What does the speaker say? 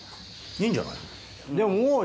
いいんじゃない？